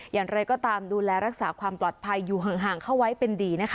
อย่างไรก็ตามดูแลรักษาความปลอดภัยอยู่ห่างเข้าไว้เป็นดีนะคะ